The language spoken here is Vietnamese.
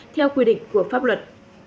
theo quy định của pháp luật